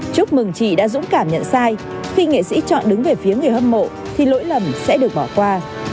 chúc mừng chị đã dũng cảm nhận sai khi nghệ sĩ chọn đứng về phía người hâm mộ thì lỗi lầm sẽ được bỏ qua